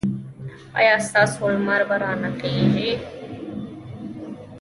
ایا ستاسو لمر به را نه خېژي؟